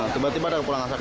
tiba tiba ada kekulangan asap